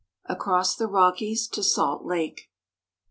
ACROSS THE ROCKIES TO SALT LAKE.